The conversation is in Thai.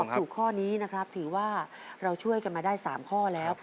ถ้าตอบถูกข้อนี้นะครับถือว่าเราช่วยกันมาได้สามข้อแล้ว